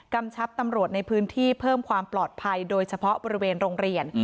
ชับตำรวจในพื้นที่เพิ่มความปลอดภัยโดยเฉพาะบริเวณโรงเรียน